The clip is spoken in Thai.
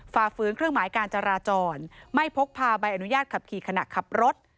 ฝ่าฝืนเครื่องหมายการจราจรไม่พกพาใบอนุญาตขับขี่ขณะขับรถ